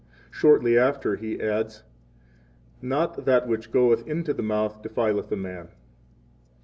Shortly after He adds: Not that which goeth into the mouth defileth a man.